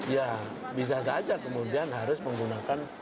ya bisa saja kemudian harus menggunakan